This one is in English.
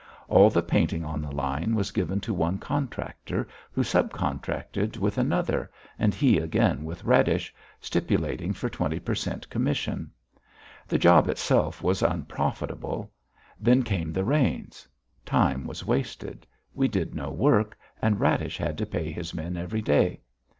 All the painting on the line was given to one contractor, who subcontracted with another, and he again with Radish, stipulating for twenty per cent commission. The job itself was unprofitable; then came the rains; time was wasted; we did no work and Radish had to pay his men every day.